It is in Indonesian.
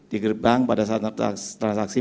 di gerbang pada saat transaksi